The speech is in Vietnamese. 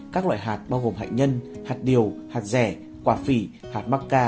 các loại hạt bao gồm hạt nhân hạt điều hạt rẻ quả phỉ hạt mắc ca